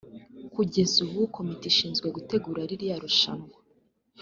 Kugeza ubu Komite ishinzwe gutegura ririya rushanwa